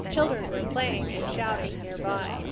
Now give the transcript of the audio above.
Children were playing and shouting near by.